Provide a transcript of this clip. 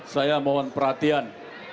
saya mohon perhatian